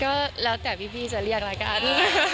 ก็แล้วแต่พี่จะเรียกแล้วกัน